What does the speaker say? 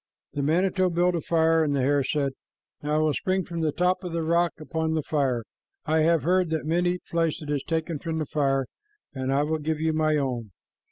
The manito built a fire, and the hare said, "Now I will spring from the top of the rock upon the fire. I have heard that men eat flesh, that is taken from the fire, and I will give you my own."